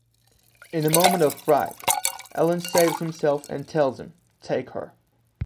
In a moment of fright, Alan saves himself and tells him: Take her.